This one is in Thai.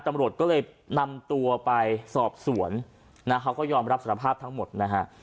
ตำรวจก็เลยนำตัวไปสอบสวนนะเขาก็ยอมรับสารภาพทั้งหมดนะฮะ